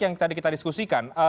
yang tadi kita diskusikan